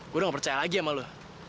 gue udah gak percaya lagi sama lu